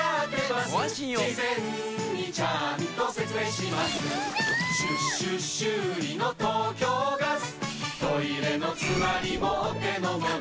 しゅ・しゅ・修理の東京ガストイレのつまりもお手のもの